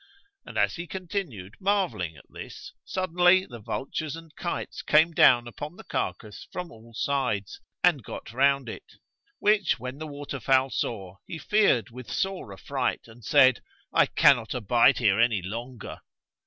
And as he continued marvelling at this, suddenly the vultures and kites came down upon the carcass from all sides and get round it; which when the water fowl saw, he feared with sore affright and said, "I cannot abide here any longer."